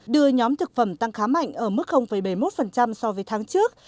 đưa nhóm thực phẩm tăng khá mạnh ở mức bảy mươi một so với tháng trước